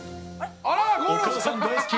お母さん大好き！